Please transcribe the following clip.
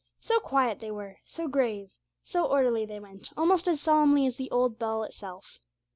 So quiet they were, so grave, so orderly they went, almost as solemnly as the old bell itself.